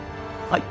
はい。